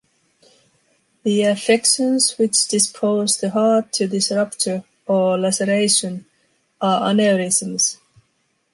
The affections which dispose the heart to this rupture, or laceration, are aneurysms.